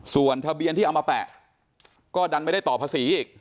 ส่วนทะเบียนที่เอามาแปะก็ดันไม่ได้ต่อภาษีอีก